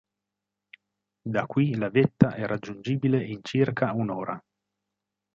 Da qui la vetta è raggiungibile in circa un'ora.